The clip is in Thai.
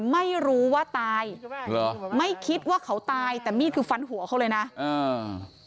ไม่รู้ว่าตายเหรอไม่คิดว่าเขาตายแต่มีดคือฟันหัวเขาเลยนะอ่า